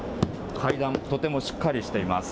階段、とてもしっかりしています。